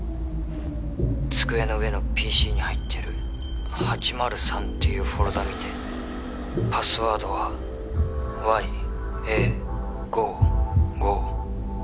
☎机の上のＰＣに入ってる８０３っていうフォルダ見て☎パスワードはＹＡ５５